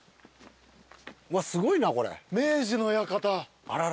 うわっすごいなこれ。